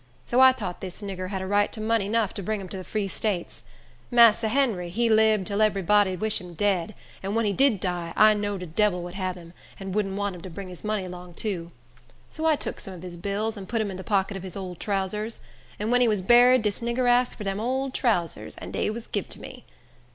So I tought dis nigger had a right to money nuff to bring him to de Free States. Massa Henry he lib till ebery body vish him dead; an ven he did die, I knowed de debbil would hab him, an vouldn't vant him to bring his money 'long too. So I tuk some of his bills, and put 'em in de pocket of his ole trousers. An ven he was buried, dis nigger ask fur dem ole trousers, an dey gub 'em to me."